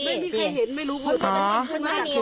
ไม่มีใครเห็นไม่รู้ว่าเขาไปทางไหน